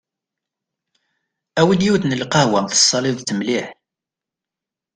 Awi-d yiwet n lqehwa tessaliḍ-tt mliḥ.